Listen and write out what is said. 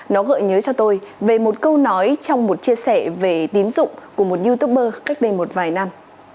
nó gợi nhớ cho tôi về một câu nói trong một chia sẻ về tín dụng của một youtuber cách đây một vài năm